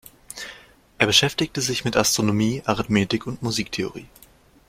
Er beschäftigte sich mit Astronomie, Arithmetik und Musiktheorie.